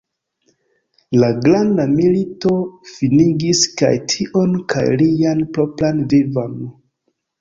La Granda Milito finigis kaj tion kaj lian propran vivon.